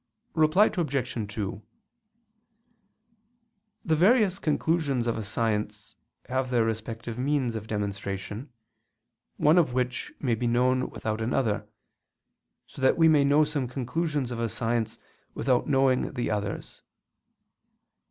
Reply Obj. 2: The various conclusions of a science have their respective means of demonstration, one of which may be known without another, so that we may know some conclusions of a science without knowing the others.